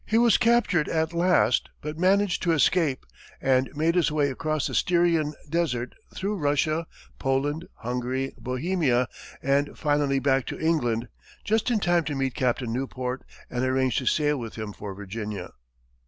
He was captured, at last, but managed to escape, and made his way across the Styrian desert, through Russia, Poland, Hungary, Bohemia, and finally back to England, just in time to meet Captain Newport, and arrange to sail with him for Virginia.